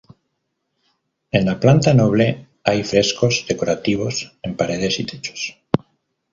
En la planta noble hay frescos decorativos en paredes y techos.